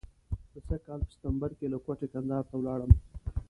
د سږ کال په سپټمبر کې له کوټې کندهار ته ولاړم.